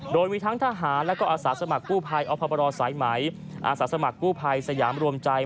โดยมีทั้งทหารและก็อาสาสมัครกู้ภัยอบรสายไหมอาสาสมัครกู้ภัยสยามรวมใจ